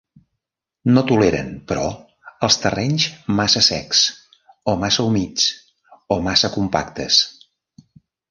No toleren, però, els terrenys massa secs, o massa humits, o massa compactes.